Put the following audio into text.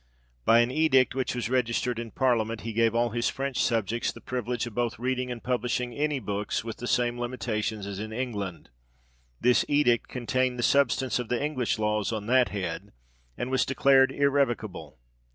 By an edict, which was registered in parlia ment, he gave all his French subjects the privilege of both reading and publishing any books, with the same limitations as in England : this edict contained the substance of the English laws on that head, and was declared irrevocable.